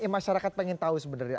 masyarakat pengen tahu sebenarnya